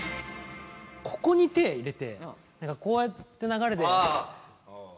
ここに手入れて何かこうやって流れでって。